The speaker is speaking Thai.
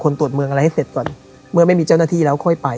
ตรวจเมืองอะไรให้เสร็จก่อนเมื่อไม่มีเจ้าหน้าที่แล้วค่อยไป